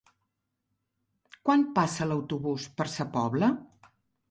Quan passa l'autobús per Sa Pobla?